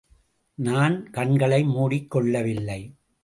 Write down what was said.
நான் கண்களை மூடிக்கொள்ளவில்லை.